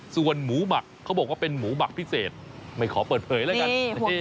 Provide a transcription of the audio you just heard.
ส่วนหมูหมักเขาบอกว่าเป็นหมูหมักพิเศษไม่ขอเปิดเผยแล้วกัน